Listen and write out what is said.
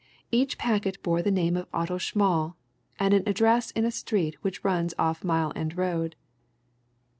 Each packet bore the name of Otto Schmall, and an address in a street which runs off Mile End Road.